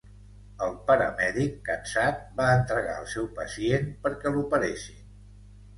El paramèdic, cansat, va entregar el seu pacient perquè l'operessin.